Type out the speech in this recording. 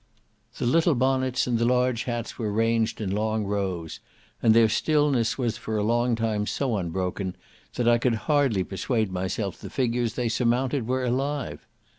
The little bonnets and the large hats were ranged in long rows, and their stillness was for a long time so unbroken, that I could hardly persuade myself the figures they surmounted were alive.